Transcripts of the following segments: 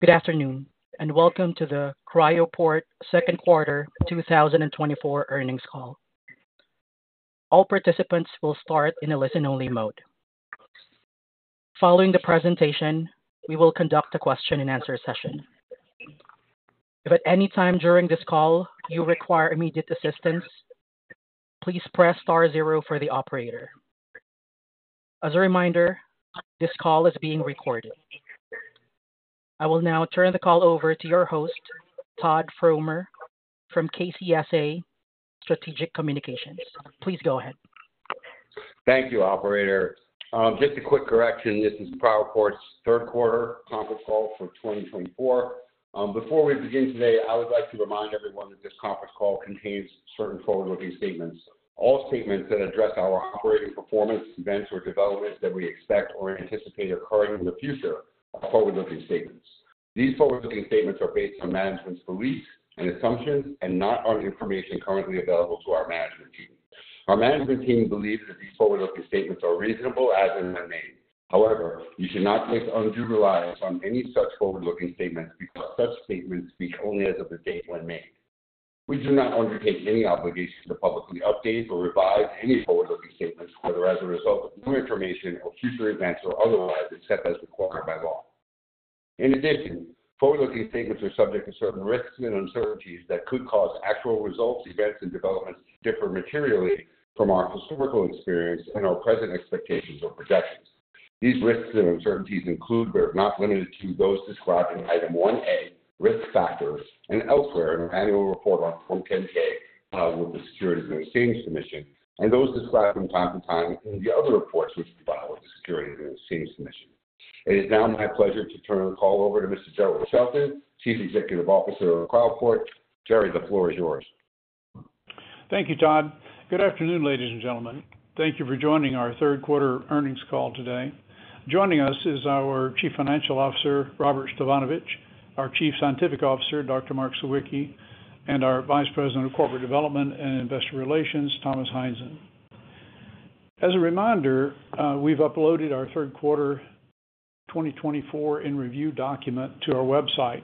Good afternoon, and welcome to the Cryoport second quarter 2024 earnings call. All participants will start in a listen-only mode. Following the presentation, we will conduct a question-and-answer session. If at any time during this call you require immediate assistance, please press star zero for the operator. As a reminder, this call is being recorded. I will now turn the call over to your host, Todd Fromer, from KCSA Strategic Communications. Please go ahead. Thank you, Operator. Just a quick correction: this is Cryoport's third quarter conference call for 2024. Before we begin today, I would like to remind everyone that this conference call contains certain forward-looking statements. All statements that address our operating performance, events, or developments that we expect or anticipate occurring in the future are forward-looking statements. These forward-looking statements are based on management's beliefs and assumptions and not on information currently available to our management team. Our management team believes that these forward-looking statements are reasonable, as and when made. However, you should not place undue reliance on any such forward-looking statements because such statements speak only as of the date when made. We do not undertake any obligation to publicly update or revise any forward-looking statements, whether as a result of new information or future events or otherwise except as required by law. In addition, forward-looking statements are subject to certain risks and uncertainties that could cause actual results, events, and developments to differ materially from our historical experience and our present expectations or projections. These risks and uncertainties include, but are not limited to, those described in Item 1A, Risk Factors, and elsewhere in our annual report on Form 10-K filed with the Securities and Exchange Commission, and those described from time to time in the other reports which we file with the Securities and Exchange Commission. It is now my pleasure to turn the call over to Mr. Jerrell Shelton, Chief Executive Officer of Cryoport. Jerrell, the floor is yours. Thank you, Todd. Good afternoon, ladies and gentlemen. Thank you for joining our Third Quarter earnings call today. Joining us is our Chief Financial Officer, Robert Stefanovich, our Chief Scientific Officer, Dr. Mark Sawicki, and our Vice President of Corporate Development and Investor Relations, Thomas Heinzen. As a reminder, we've uploaded our Third Quarter 2024 in Review document to our website.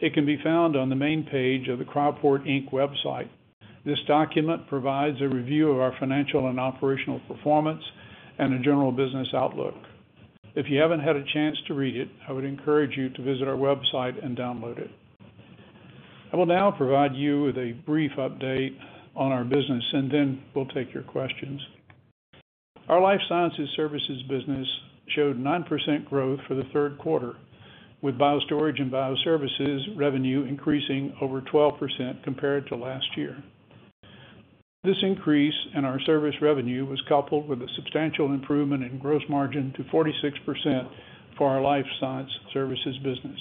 It can be found on the main page of the Cryoport Inc. website. This document provides a review of our financial and operational performance and a general business outlook. If you haven't had a chance to read it, I would encourage you to visit our website and download it. I will now provide you with a brief update on our business, and then we'll take your questions. Our Life Sciences Services business showed 9% growth for the third quarter, with BioStorage and BioServices revenue increasing over 12% compared to last year. This increase in our service revenue was coupled with a substantial improvement in gross margin to 46% for our Life Sciences Services business.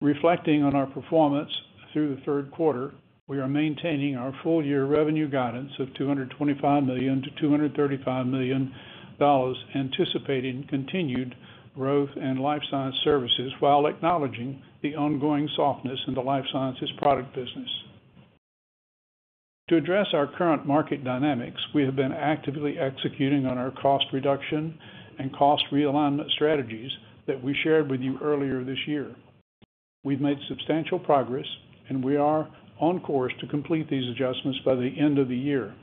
Reflecting on our performance through the third quarter, we are maintaining our full-year revenue guidance of $225 million-$235 million, anticipating continued growth in Life Sciences Services while acknowledging the ongoing softness in the Life Sciences Products business. To address our current market dynamics, we have been actively executing on our cost reduction and cost realignment strategies that we shared with you earlier this year. We've made substantial progress, and we are on course to complete these adjustments by the end of the year.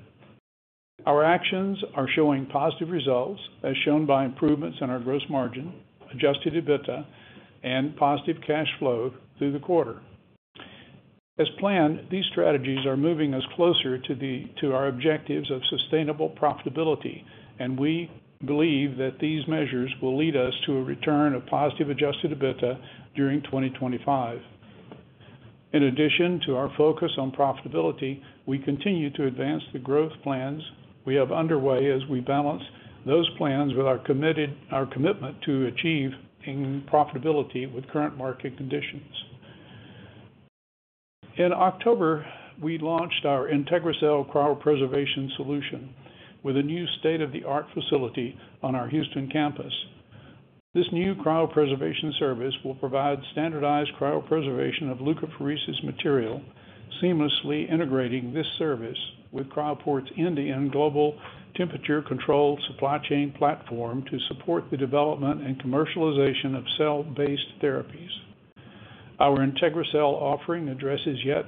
Our actions are showing positive results, as shown by improvements in our gross margin, Adjusted EBITDA, and positive cash flow through the quarter. As planned, these strategies are moving us closer to our objectives of sustainable profitability, and we believe that these measures will lead us to a return of positive adjusted EBITDA during 2025. In addition to our focus on profitability, we continue to advance the growth plans we have underway as we balance those plans with our commitment to achieving profitability with current market conditions. In October, we launched our IntegraCell cryopreservation solution with a new state-of-the-art facility on our Houston campus. This new cryopreservation service will provide standardized cryopreservation of leukapheresis material, seamlessly integrating this service with Cryoport's end-to-end global temperature control supply chain platform to support the development and commercialization of cell-based therapies. Our IntegraCell offering addresses yet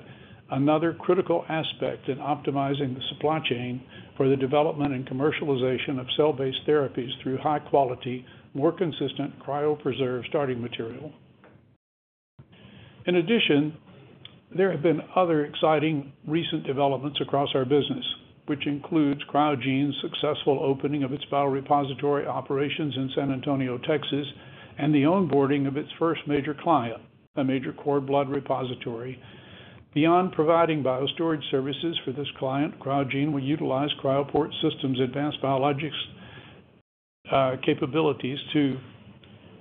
another critical aspect in optimizing the supply chain for the development and commercialization of cell-based therapies through high-quality, more consistent cryopreserved starting material. In addition, there have been other exciting recent developments across our business, which includes Cryogene's successful opening of its biorepository operations in San Antonio, Texas, and the onboarding of its first major client, a major cord blood repository. Beyond providing BioStorage services for this client, Cryogene will utilize Cryoport Systems' advanced biologics capabilities to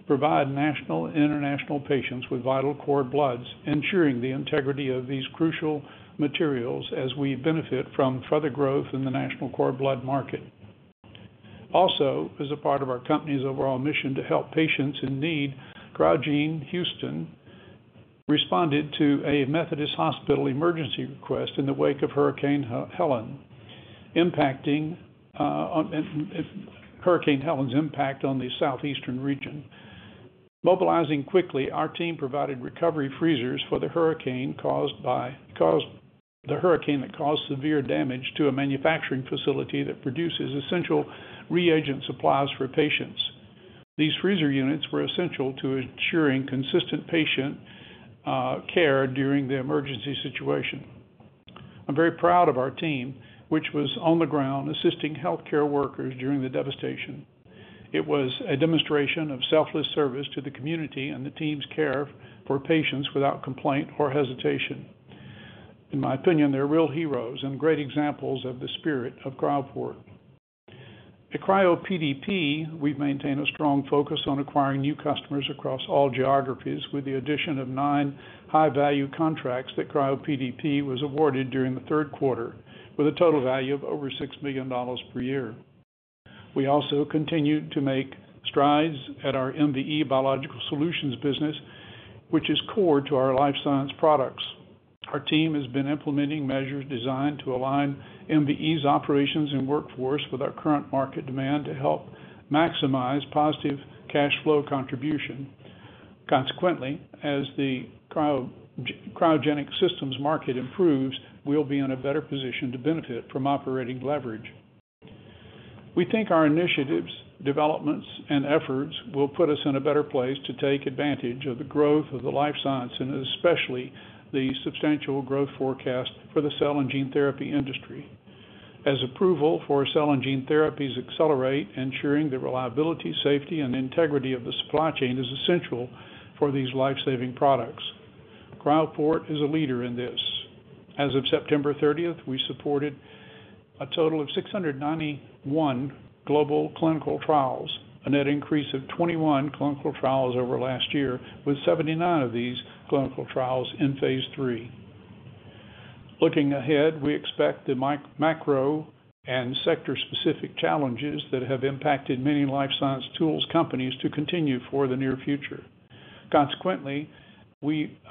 provide national and international patients with vital cord bloods, ensuring the integrity of these crucial materials as we benefit from further growth in the national cord blood market. Also, as a part of our company's overall mission to help patients in need, Cryogene Houston responded to a Methodist Hospital emergency request in the wake of Hurricane Helene's impact on the southeastern region. Mobilizing quickly, our team provided recovery freezers for the hurricane that caused severe damage to a manufacturing facility that produces essential reagent supplies for patients. These freezer units were essential to ensuring consistent patient care during the emergency situation. I'm very proud of our team, which was on the ground assisting healthcare workers during the devastation. It was a demonstration of selfless service to the community and the team's care for patients without complaint or hesitation. In my opinion, they're real heroes and great examples of the spirit of Cryoport. At CRYOPDP, we've maintained a strong focus on acquiring new customers across all geographies with the addition of nine high-value contracts that CRYOPDP was awarded during the third quarter, with a total value of over $6 million per year. We also continue to make strides at our MVE Biological Solutions business, which is core to our Life Sciences Products. Our team has been implementing measures designed to align MVE's operations and workforce with our current market demand to help maximize positive cash flow contribution. Consequently, as the Cryogenic Systems market improves, we'll be in a better position to benefit from operating leverage. We think our initiatives, developments, and efforts will put us in a better place to take advantage of the growth of the life science and especially the substantial growth forecast for the cell and gene therapy industry. As approval for cell and gene therapies accelerate, ensuring the reliability, safety, and integrity of the supply chain is essential for these life-saving products. Cryoport is a leader in this. As of September 30th, we supported a total of 691 global clinical trials, a net increase of 21 clinical trials over last year, with 79 of these clinical trials in phase III. Looking ahead, we expect the macro and sector-specific challenges that have impacted many life science tools companies to continue for the near future. Consequently,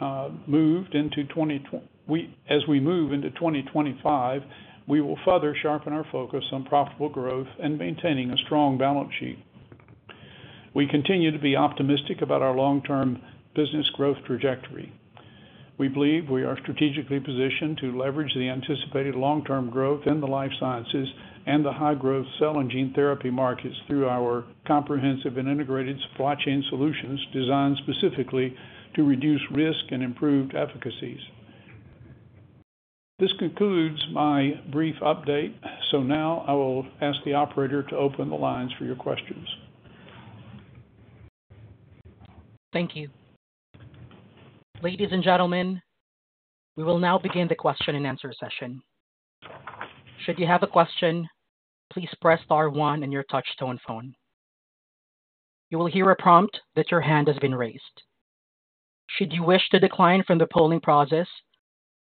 as we move into 2025, we will further sharpen our focus on profitable growth and maintaining a strong balance sheet. We continue to be optimistic about our long-term business growth trajectory. We believe we are strategically positioned to leverage the anticipated long-term growth in the life sciences and the high-growth cell and gene therapy markets through our comprehensive and integrated supply chain solutions designed specifically to reduce risk and improve efficacies. This concludes my brief update, so now I will ask the Operator to open the lines for your questions. Thank you. Ladies and gentlemen, we will now begin the question-and-answer session. Should you have a question, please press star one on your touch-tone phone. You will hear a prompt that your hand has been raised. Should you wish to decline from the polling process,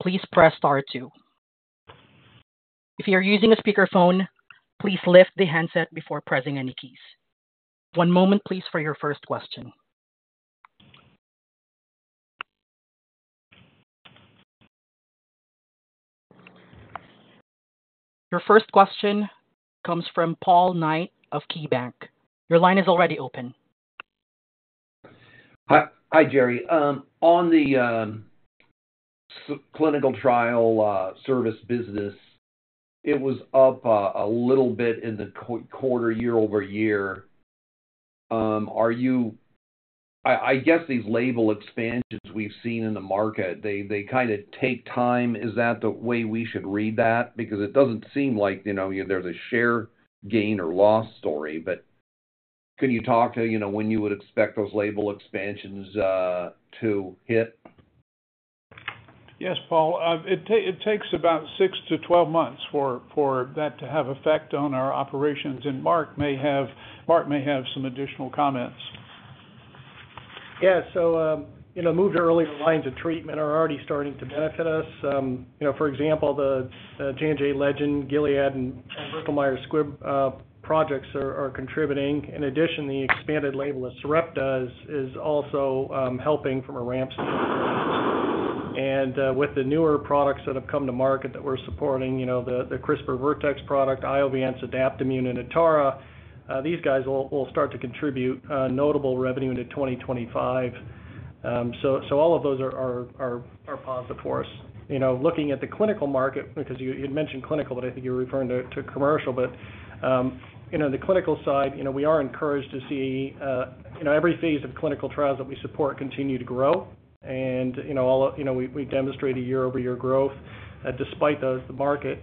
please press star two. If you are using a speakerphone, please lift the handset before pressing any keys. One moment, please, for your first question. Your first question comes from Paul Knight of KeyBanc. Your line is already open. Hi, Jerry. On the clinical trial service business, it was up a little bit in the quarter year-over-year. I guess these label expansions we've seen in the market, they kind of take time. Is that the way we should read that? Because it doesn't seem like there's a share gain or loss story. But can you talk to when you would expect those label expansions to hit? Yes, Paul. It takes about six to 12 months for that to have effect on our operations, and Mark may have some additional comments. Yeah. So, moved earlier lines of treatment are already starting to benefit us. For example, the J&J Legend, Gilead, and Bristol Myers Squibb projects are contributing. In addition, the expanded label that Sarepta is also helping from a ramp standpoint. With the newer products that have come to market that we're supporting, the CRISPR Vertex product, Iovance, Adaptimmune, and Atara, these guys will start to contribute notable revenue into 2025. All of those are positive for us. Looking at the clinical market, because you had mentioned clinical, but I think you were referring to commercial, but the clinical side, we are encouraged to see every phase of clinical trials that we support continue to grow. We've demonstrated year-over-year growth despite the market.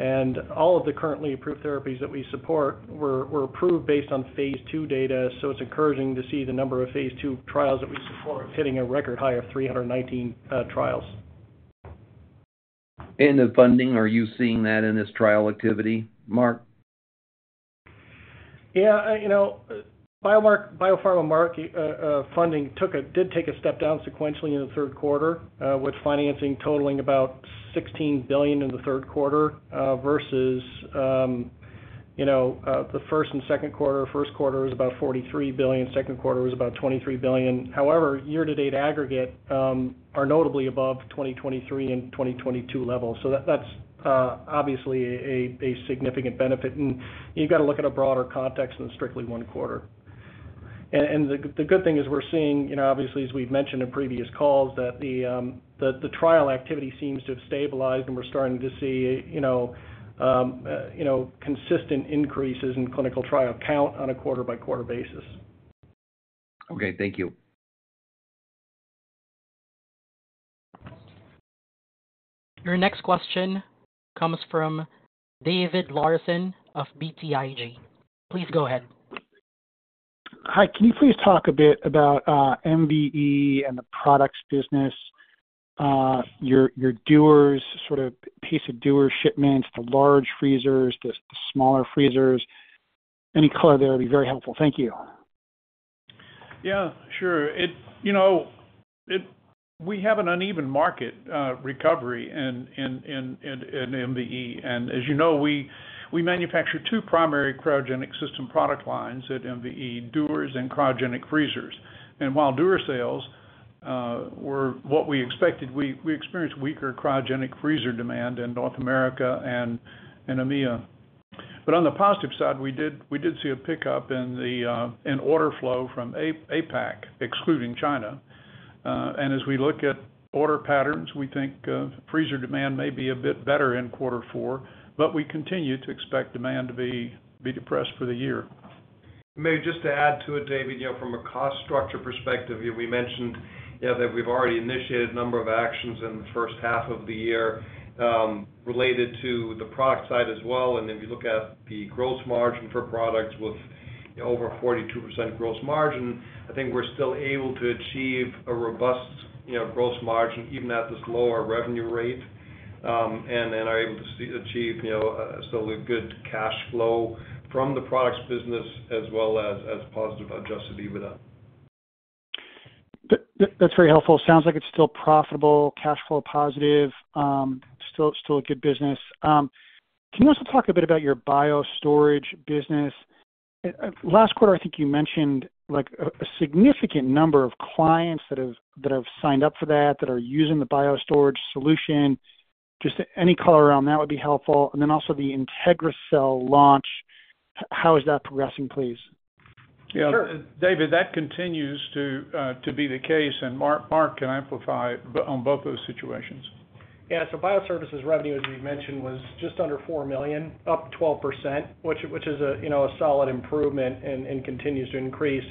All of the currently approved therapies that we support were approved based on phase II data, so it's encouraging to see the number of phase II trials that we support hitting a record high of 319 trials. The funding, are you seeing that in this trial activity, Mark? Yeah. Biopharma market funding did take a step down sequentially in the third quarter, with financing totaling about $16 billion in the third quarter versus the first and second quarter. First quarter was about $43 billion. Second quarter was about $23 billion. However, year-to-date aggregate are notably above 2023 and 2022 levels. So that's obviously a significant benefit. And you've got to look at a broader context than strictly one quarter. And the good thing is we're seeing, obviously, as we've mentioned in previous calls, that the trial activity seems to have stabilized, and we're starting to see consistent increases in clinical trial count on a quarter-by-quarter basis. Okay. Thank you. Your next question comes from David Larson of BTIG. Please go ahead. Hi. Can you please talk a bit about MVE and the products business, your dealers, sort of piece of dealer shipments, the large freezers, the smaller freezers? Any color there would be very helpful. Thank you. Yeah. Sure. We have an uneven market recovery in MVE. And as you know, we manufacture two primary cryogenic system product lines at MVE: dewars and cryogenic freezers. And while dewar sales were what we expected, we experienced weaker cryogenic freezer demand in North America and EMEA. But on the positive side, we did see a pickup in order flow from APAC, excluding China. And as we look at order patterns, we think freezer demand may be a bit better in quarter four, but we continue to expect demand to be depressed for the year. Maybe just to add to it, David, from a cost structure perspective, we mentioned that we've already initiated a number of actions in the first half of the year related to the product side as well, and if you look at the gross margin for products with over 42% gross margin, I think we're still able to achieve a robust gross margin even at this lower revenue rate and are able to achieve still a good cash flow from the products business as well as positive adjusted EBITDA. That's very helpful. Sounds like it's still profitable, cash flow positive, still a good business. Can you also talk a bit about your BioStorage business? Last quarter, I think you mentioned a significant number of clients that have signed up for that, that are using the BioStorage solution. Just any color around that would be helpful. And then also the IntegraCell launch, how is that progressing, please? Yeah. David, that continues to be the case and Mark can amplify it on both those situations. Yeah. So BioServices revenue, as we mentioned, was just under $4 million, up 12%, which is a solid improvement and continues to increase.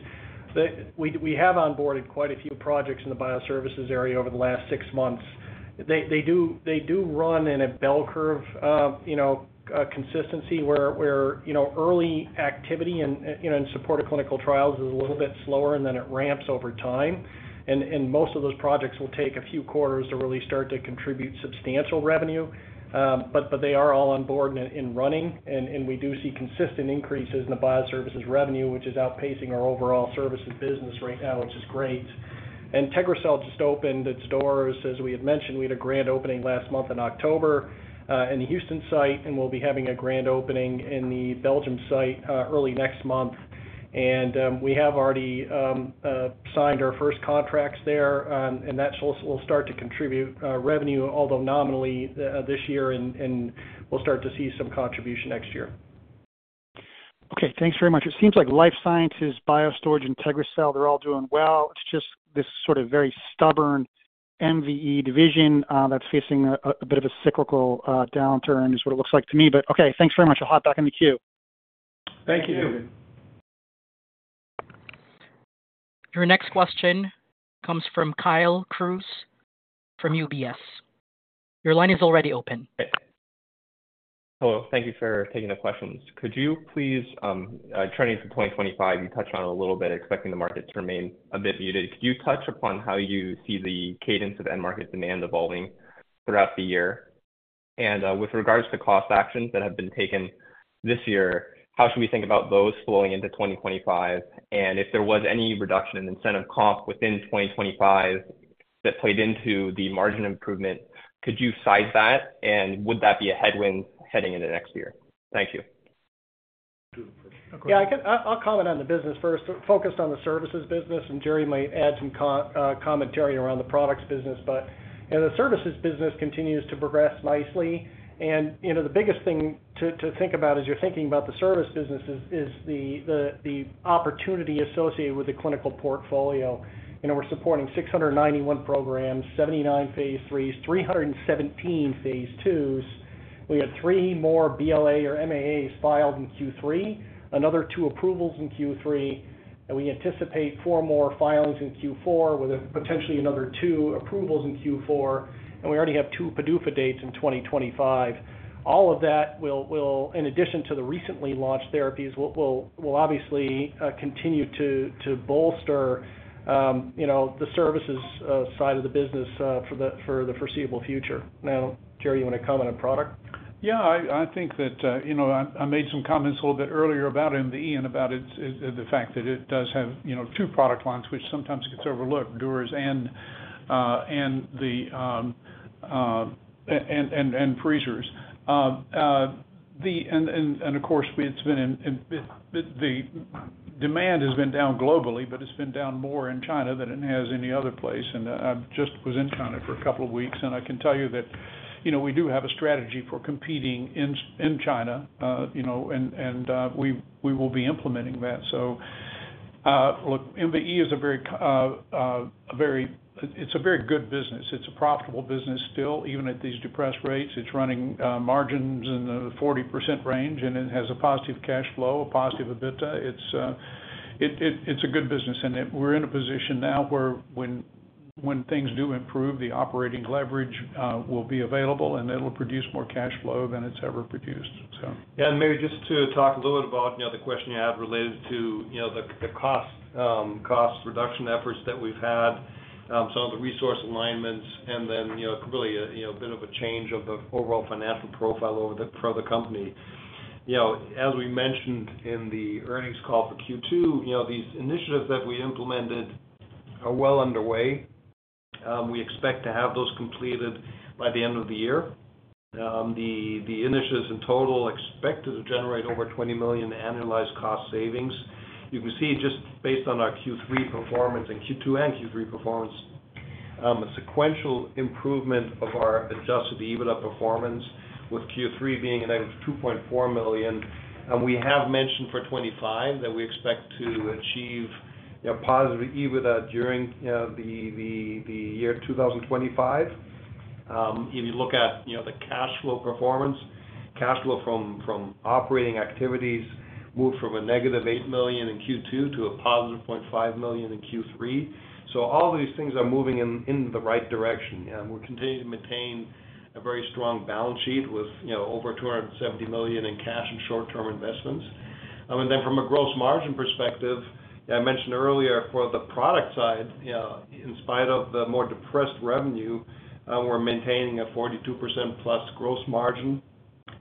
We have onboarded quite a few projects in the BioServices area over the last six months. They do run in a bell curve consistency where early activity in support of clinical trials is a little bit slower, and then it ramps over time. And most of those projects will take a few quarters to really start to contribute substantial revenue. But they are all onboard and running. And we do see consistent increases in the BioServices revenue, which is outpacing our overall services business right now, which is great and IntegraCell just opened its doors. As we had mentioned, we had a grand opening last month in October in the Houston site, and we'll be having a grand opening in the Belgium site early next month. We have already signed our first contracts there, and that will start to contribute revenue, although nominally this year, and we'll start to see some contribution next year. Okay. Thanks very much. It seems like Life Sciences, BioStorage, IntegraCell, they're all doing well. It's just this sort of very stubborn MVE division that's facing a bit of a cyclical downturn is what it looks like to me. But okay. Thanks very much. I'll hop back in the queue. Thank you. Your next question comes from Kyle Crews from UBS. Your line is already open. Hello. Thank you for taking the questions. Could you please try and walk us through 2025? You touched on it a little bit, expecting the market to remain a bit muted. Could you touch upon how you see the cadence of end market demand evolving throughout the year? And with regards to cost actions that have been taken this year, how should we think about those flowing into 2025? And if there was any reduction in incentive comp within 2025 that played into the margin improvement, could you size that? And would that be a headwind heading into next year? Thank you. Yeah. I'll comment on the business first, focused on the services business, and Jerry might add some commentary around the products business. But the services business continues to progress nicely. And the biggest thing to think about as you're thinking about the service business is the opportunity associated with the clinical portfolio. We're supporting 691 programs, 79 phase IIIs, 317 phase IIs. We had three more BLA or MAAs filed in Q3, another two approvals in Q3. We anticipate four more filings in Q4 with potentially another two approvals in Q4. And we already have two PDUFA dates in 2025. All of that, in addition to the recently launched therapies, will obviously continue to bolster the services side of the business for the foreseeable future. Now, Jerry, you want to comment on product? Yeah. I think that I made some comments a little bit earlier about MVE and about the fact that it does have two product lines, which sometimes gets overlooked, dewars and freezers, and of course, the demand has been down globally, but it's been down more in China than it has any other place. And I just was in China for a couple of weeks, and I can tell you that we do have a strategy for competing in China, and we will be implementing that, so look, MVE is a very good business. It's a profitable business still, even at these depressed rates. It's running margins in the 40% range, and it has a positive cash flow, a positive EBITDA. It's a good business. And we're in a position now where when things do improve, the operating leverage will be available, and it'll produce more cash flow than it's ever produced, so. Yeah. And maybe just to talk a little bit about the question you had related to the cost reduction efforts that we've had, some of the resource alignments, and then really a bit of a change of the overall financial profile for the company. As we mentioned in the earnings call for Q2, these initiatives that we implemented are well underway. We expect to have those completed by the end of the year. The initiatives in total expected to generate over $20 million in annualized cost savings. You can see just based on our Q3 performance and Q2 and Q3 performance, a sequential improvement of our Adjusted EBITDA performance, with Q3 being an average of $2.4 million. And we have mentioned for 2025 that we expect to achieve positive EBITDA during the year 2025. If you look at the cash flow performance, cash flow from operating activities moved from a negative $8 million in Q2 to a positive $0.5 million in Q3, so all these things are moving in the right direction, and we'll continue to maintain a very strong balance sheet with over $270 million in cash and short-term investments, and then from a gross margin perspective, I mentioned earlier for the product side, in spite of the more depressed revenue, we're maintaining a 42% plus gross margin,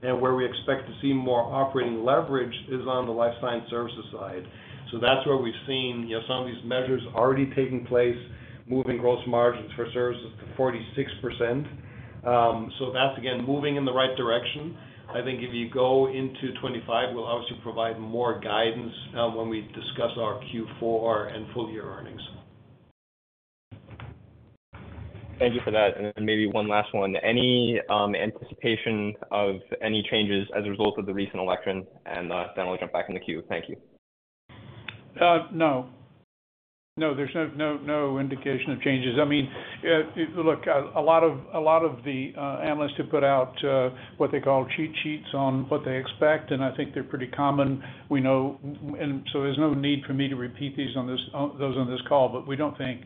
and where we expect to see more operating leverage is on the life sciences services side, so that's where we've seen some of these measures already taking place, moving gross margins for services to 46%, so that's, again, moving in the right direction. I think if you go into 2025, we'll obviously provide more guidance when we discuss our Q4 and full-year earnings. Thank you for that. And then maybe one last one. Any anticipation of any changes as a result of the recent election? And then I'll jump back in the queue. Thank you. No. No. There's no indication of changes. I mean, look, a lot of the analysts have put out what they call cheat sheets on what they expect, and I think they're pretty common. And so there's no need for me to repeat those on this call, but we don't think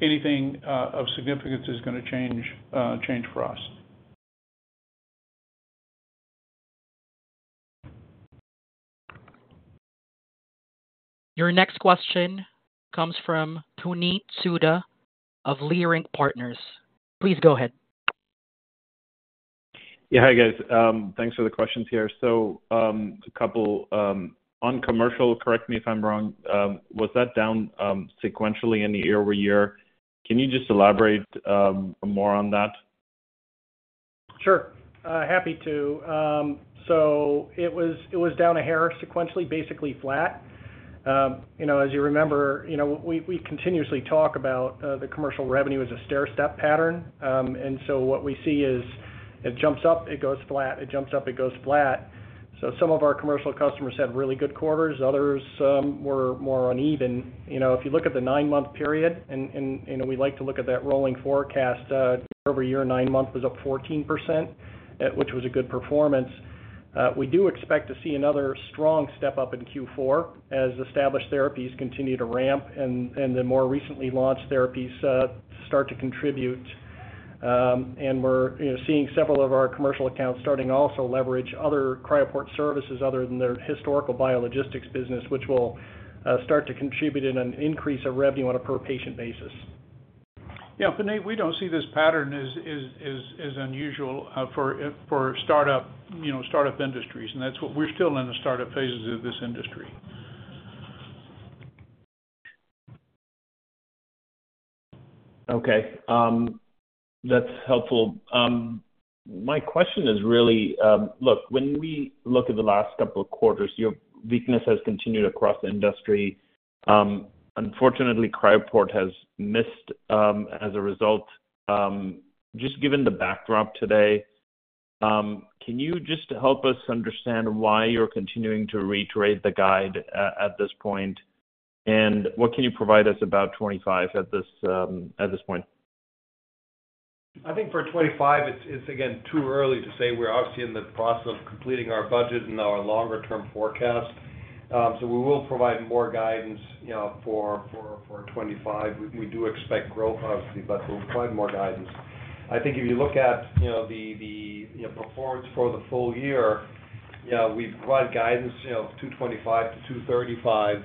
anything of significance is going to change for us. Your next question comes from Puneet Souda of Leerink Partners. Please go ahead. Yeah. Hi guys. Thanks for the questions here. So a couple on commercial, correct me if I'm wrong, was that down sequentially any year over year? Can you just elaborate more on that? Sure. Happy to. So it was down a hair sequentially, basically flat. As you remember, we continuously talk about the commercial revenue as a stair-step pattern. So what we see is it jumps up, it goes flat, it jumps up, it goes flat. Some of our commercial customers had really good quarters. Others were more uneven. If you look at the nine-month period, and we like to look at that rolling forecast, year over year, nine-month was up 14%, which was a good performance. We do expect to see another strong step up in Q4 as established therapies continue to ramp and the more recently launched therapies start to contribute. We're seeing several of our commercial accounts starting also to leverage other Cryoport services other than their historical biologistics business, which will start to contribute in an increase of revenue on a per patient basis. Yeah, but we don't see this pattern as unusual for startup industries, and that's what we're still in the startup phases of this industry. Okay. That's helpful. My question is really, look, when we look at the last couple of quarters, your weakness has continued across the industry. Unfortunately, Cryoport has missed as a result. Just given the backdrop today, can you just help us understand why you're continuing to reiterate the guide at this point? And what can you provide us about 2025 at this point? I think for 2025, it's again too early to say. We're obviously in the process of completing our budget and our longer-term forecast, so we will provide more guidance for 2025. We do expect growth, obviously, but we'll provide more guidance. I think if you look at the performance for the full year, we provide guidance of $225-$235,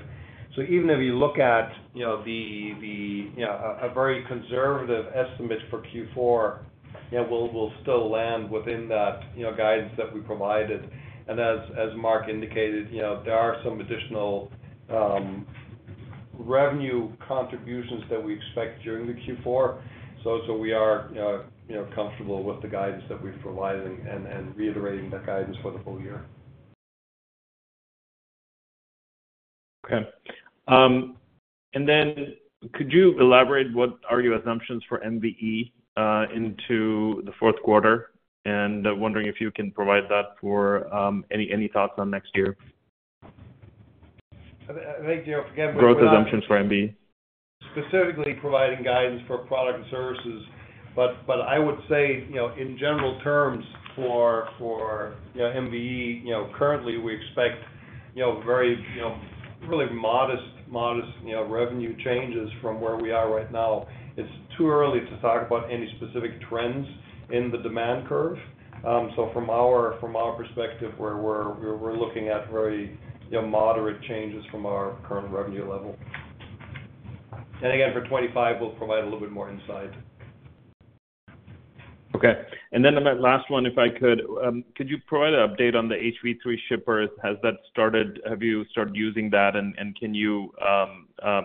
so even if you look at a very conservative estimate for Q4, we'll still land within that guidance that we provided, and as Mark indicated, there are some additional revenue contributions that we expect during the Q4, so we are comfortable with the guidance that we're providing and reiterating that guidance for the full year. Okay. And then could you elaborate what are your assumptions for MVE into the fourth quarter? And wondering if you can provide that for any thoughts on next year? Thank you. Again. Growth assumptions for MVE? Specifically providing guidance for product and services. But I would say in general terms for MVE, currently we expect very modest revenue changes from where we are right now. It's too early to talk about any specific trends in the demand curve. So from our perspective, we're looking at very moderate changes from our current revenue level. And again, for 2025, we'll provide a little bit more insight. Okay. And then the last one, if I could, could you provide an update on the HV3 shipper? Has that started? Have you started using that? And can you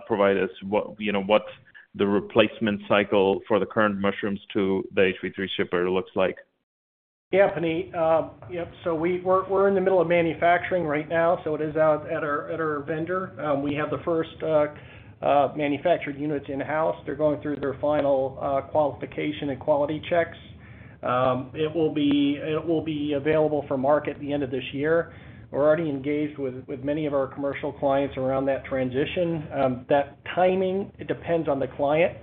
provide us what the replacement cycle for the current shippers to the HV3 shipper looks like? Yeah, Toni. Yep. So we're in the middle of manufacturing right now. So it is out at our vendor. We have the first manufactured units in-house. They're going through their final qualification and quality checks. It will be available for market at the end of this year. We're already engaged with many of our commercial clients around that transition. That timing, it depends on the client.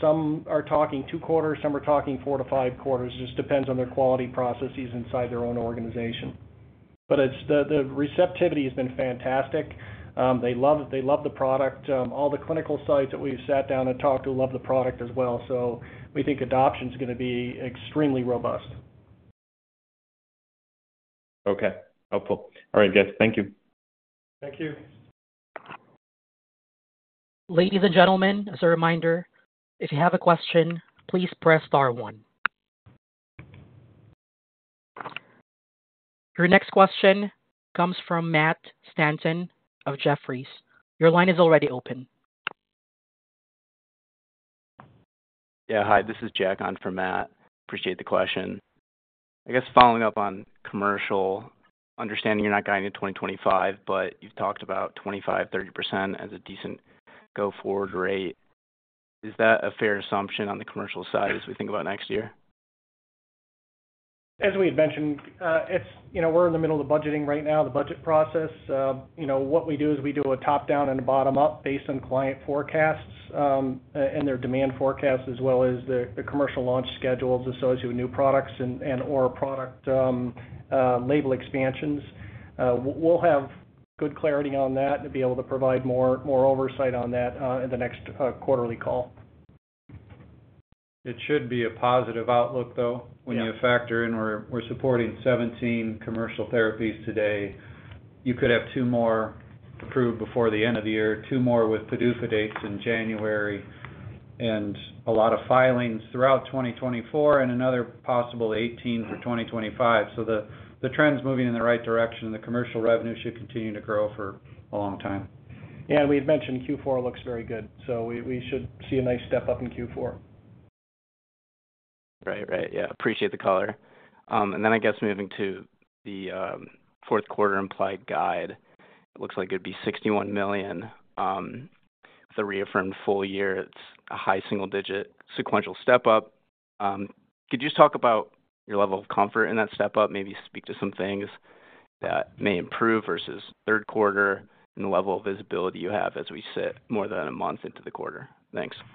Some are talking two quarters. Some are talking four to five quarters. It just depends on their quality processes inside their own organization. But the receptivity has been fantastic. They love the product. All the clinical sites that we've sat down and talked to love the product as well. So we think adoption is going to be extremely robust. Okay. Helpful. All right, guys. Thank you. Thank you. Ladies and gentlemen, as a reminder, if you have a question, please press star one. Your next question comes from Matt Stanton of Jefferies. Your line is already open. Yeah. Hi. This is Jack on for Matt. Appreciate the question. I guess following up on commercial, understanding you're not guiding in 2025, but you've talked about 25%-30% as a decent go-forward rate. Is that a fair assumption on the commercial side as we think about next year? As we had mentioned, we're in the middle of budgeting right now, the budget process. What we do is we do a top-down and a bottom-up based on client forecasts and their demand forecasts, as well as the commercial launch schedules associated with new products and/or product label expansions. We'll have good clarity on that and be able to provide more oversight on that in the next quarterly call. It should be a positive outlook, though. When you factor in we're supporting 17 commercial therapies today. You could have two more approved before the end of the year, two more with PDUFA dates in January, and a lot of filings throughout 2024 and another possible 18 for 2025. So the trend's moving in the right direction, and the commercial revenue should continue to grow for a long time. Yeah. And we've mentioned Q4 looks very good. So we should see a nice step up in Q4. Right. Right. Yeah. Appreciate the color, and then I guess moving to the fourth quarter implied guide, it looks like it'd be $61 million. With a reaffirmed full year, it's a high single-digit sequential step up. Could you just talk about your level of comfort in that step up? Maybe speak to some things that may improve versus third quarter and the level of visibility you have as we sit more than a month into the quarter. Thanks. Yeah.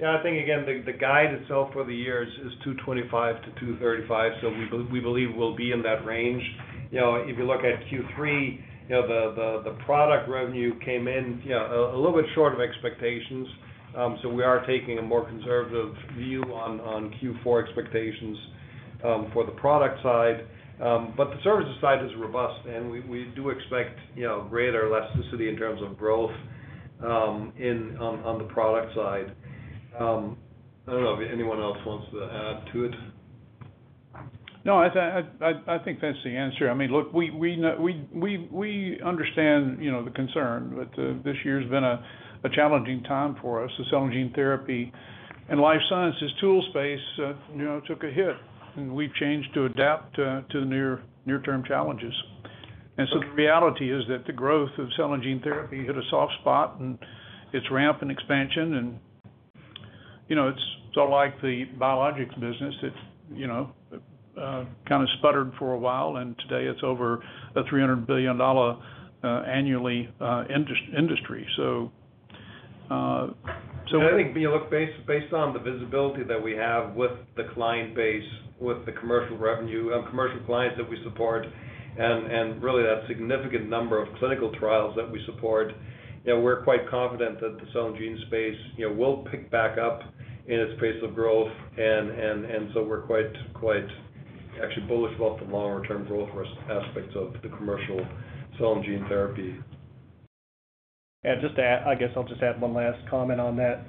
I think, again, the guide itself for the year is $225-$235. So we believe we'll be in that range. If you look at Q3, the product revenue came in a little bit short of expectations. So we are taking a more conservative view on Q4 expectations for the product side. But the services side is robust, and we do expect greater elasticity in terms of growth on the product side. I don't know if anyone else wants to add to it. No. I think that's the answer. I mean, look, we understand the concern, but this year's been a challenging time for us. The cell and gene therapy and life sciences tool space took a hit, and we've changed to adapt to the near-term challenges. And so the reality is that the growth of cell and gene therapy hit a soft spot in its ramp and expansion. And it's sort of like the biologics business that kind of sputtered for a while, and today it's over a $300 billion annually industry. So. I think, look, based on the visibility that we have with the client base, with the commercial revenue, commercial clients that we support, and really that significant number of clinical trials that we support, we're quite confident that the cell and gene space will pick back up in its pace of growth, and so we're quite actually bullish about the longer-term growth aspects of the commercial cell and gene therapy. Yeah. I guess I'll just add one last comment on that.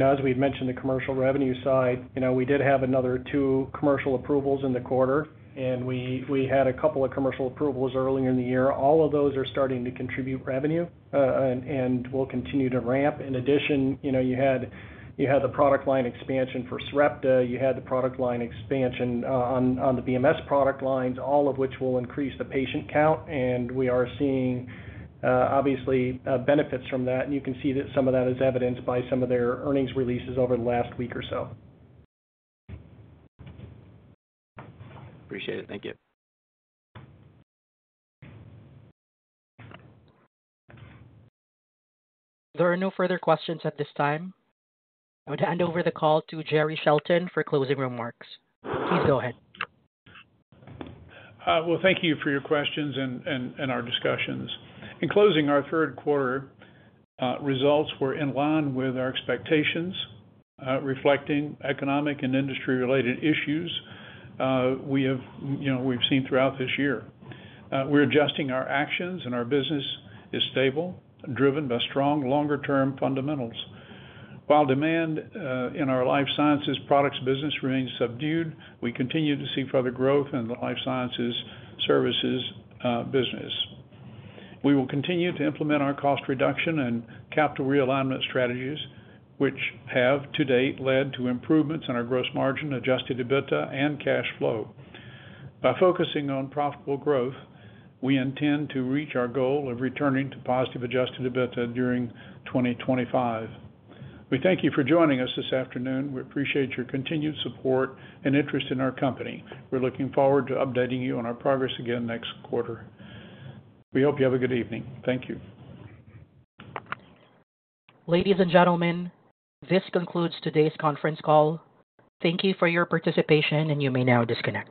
As we've mentioned, the commercial revenue side, we did have another two commercial approvals in the quarter, and we had a couple of commercial approvals earlier in the year. All of those are starting to contribute revenue and will continue to ramp. In addition, you had the product line expansion for Sarepta. You had the product line expansion on the BMS product lines, all of which will increase the patient count. And we are seeing, obviously, benefits from that. And you can see that some of that is evidenced by some of their earnings releases over the last week or so. Appreciate it. Thank you. There are no further questions at this time. I would hand over the call to Jerry Shelton for closing remarks. Please go ahead. Thank you for your questions and our discussions. In closing, our third quarter results were in line with our expectations, reflecting economic and industry-related issues we've seen throughout this year. We're adjusting our actions, and our business is stable, driven by strong longer-term fundamentals. While demand in our life sciences products business remains subdued, we continue to see further growth in the life sciences services business. We will continue to implement our cost reduction and capital realignment strategies, which have to date led to improvements in our gross margin, adjusted EBITDA, and cash flow. By focusing on profitable growth, we intend to reach our goal of returning to positive adjusted EBITDA during 2025. We thank you for joining us this afternoon. We appreciate your continued support and interest in our company. We're looking forward to updating you on our progress again next quarter. We hope you have a good evening. Thank you. Ladies and gentlemen, this concludes today's conference call. Thank you for your participation, and you may now disconnect.